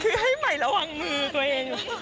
คือให้ใหม่ระวังมือตัวเอง